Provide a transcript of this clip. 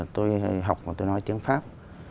tôi học và tôi nói tiếng pháp